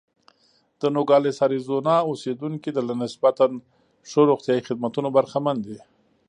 د نوګالس اریزونا اوسېدونکي له نسبتا ښو روغتیايي خدمتونو برخمن دي.